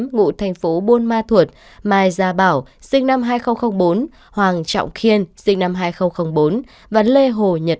ngụ thành phố buôn ma thuột mai gia bảo sinh năm hai nghìn bốn hoàng trọng khiên sinh năm hai nghìn bốn và lê hồ nhật